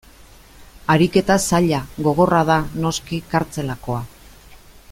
Ariketa zaila, gogorra da, noski, kartzelakoa.